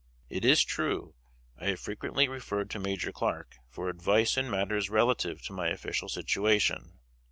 It is true, I have frequently referred to Major Clark for advice in matters relative to my official situation.